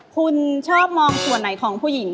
คุณชอบมองส่วนไหนของผู้หญิง